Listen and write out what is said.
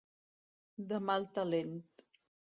De mal talent.